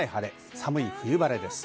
寒い冬晴れです。